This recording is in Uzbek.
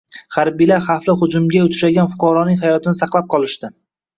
Harbiylar xavfli hujumga uchragan fuqaroning hayotini saqlab qolishdi